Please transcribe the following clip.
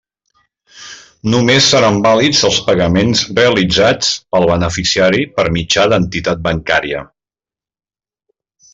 Només seran vàlids els pagaments realitzats pel beneficiari per mitjà d'entitat bancària.